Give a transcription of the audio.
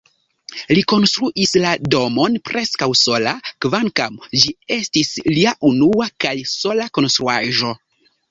Li konstruis la domon preskaŭ sola, kvankam ĝi estis lia unua kaj sola konstruaĵo.